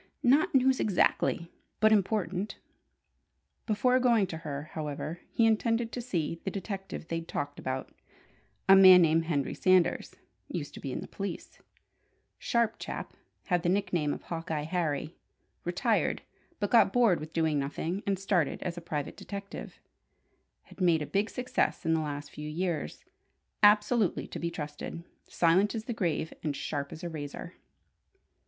"Not news exactly, but important." Before going to her, however, he intended to see the detective they'd talked about: a man named Henry Sanders used to be in the police sharp chap; had the nickname of "Hawkeye Harry"; retired, but got bored with doing nothing, and started as a private detective; had made a big success in the last few years; absolutely to be trusted: silent as the grave and sharp as a razor.